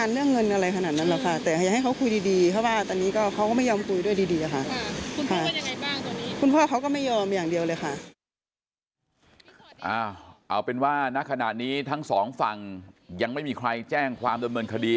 เอาเป็นว่าณขณะนี้ทั้งสองฝั่งยังไม่มีใครแจ้งความดำเนินคดี